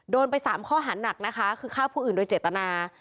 โดนไป๓ข้อหาหนักนะคะคือฆ่าผู้อื่นโดยเจตนา